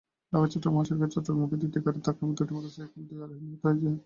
ঢাকা-চট্টগ্রাম মহাসড়কে চট্টগ্রামমুখী দুটি গাড়ির ধাক্কায় দুই মোটরসাইকেলের দুই আরোহী নিহত হয়েছেন।